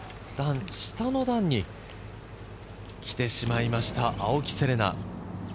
下の段に来てしまいました、青木瀬令奈。